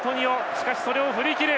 しかしそれを振り切る。